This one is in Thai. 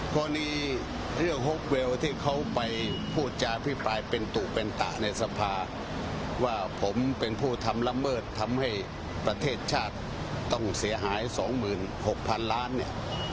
กรณีเรื่องฮกเวลที่เขาไปพูดจาพิปรายเป็นตู่เป็นตะในสภาว่าผมเป็นผู้ทำละเมิดทำให้ประเทศชาติต้องเสียหาย๒๖๐๐๐ล้านเนี่ย